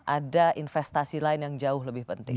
ada investasi lain yang jauh lebih penting